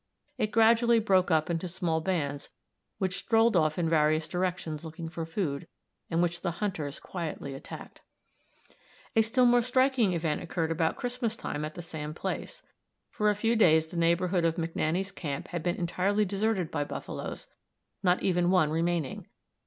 It gradually broke up into small bands, which strolled off in various directions looking for food, and which the hunters quietly attacked. A still more striking event occurred about Christmas time at the same place. For a few days the neighborhood of McNaney's camp had been entirely deserted by buffaloes, not even one remaining.